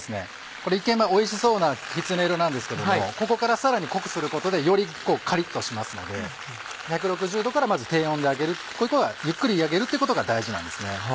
これ一見おいしそうなきつね色なんですけどもここからさらに濃くすることでよりカリっとしますので１６０℃からまず低温で揚げるここはゆっくり揚げるってことが大事なんですね。